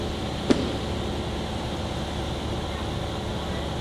Seznam uvádí kostely od nejstarších po nejnovější.